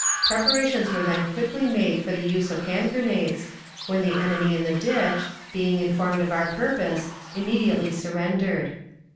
Preparations were then quickly made for the use of hand grenades, when the enemy in the ditch, being informed of our purpose, immediately surrendered.